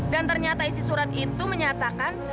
dan ternyata isi surat itu menyatakan